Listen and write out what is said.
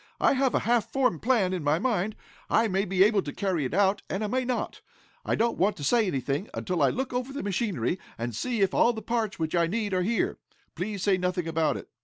I have a half formed plan in my mind. I may be able to carry it out, and I may not. I don't want to say anything until I look over the machinery, and see if all the parts which I need are here. Please say nothing about it."